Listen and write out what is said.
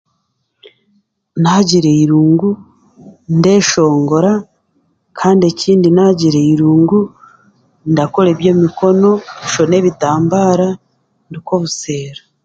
Naagira eirungu, ndeeshongora, kandi ekindi naagira eirungu, ndakora eby'emikono, nshone ebitambaara, nduke obuseero.